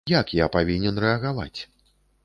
Як я павінен рэагаваць?